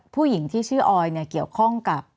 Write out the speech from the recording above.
ผู้หญิงที่ชื่อออยเนี่ยเกี่ยวข้องกับ